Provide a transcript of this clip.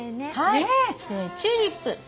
チューリップ。